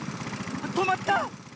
とまった！